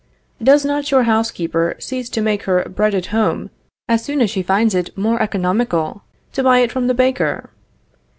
Does not your housekeeper cease to make her bread at home, as soon as she finds it more economical to buy it from the baker?